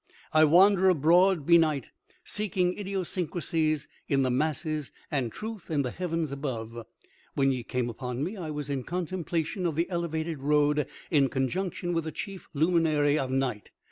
I wander abroad be night seeking idiosyncrasies in the masses and truth in the heavens above. When ye came upon me I was in contemplation of the elevated road in conjunction with the chief luminary of night.